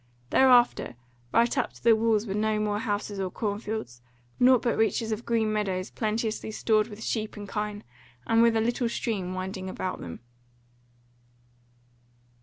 Thereafter right up to the walls were no more houses or cornfields, nought but reaches of green meadows plenteously stored with sheep and kine, and with a little stream winding about them.